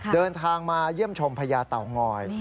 เดินทางมาเยี่ยมชมพญาเต่างอย